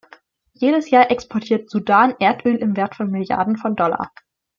Jedes Jahr exportiert Sudan Erdöl im Wert von Milliarden von Dollar.